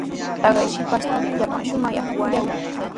Taqay shipashtami llapan shunquuwan kuyallaa.